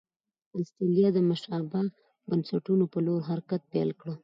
اسټرالیا د مشابه بنسټونو په لور حرکت پیل کړ.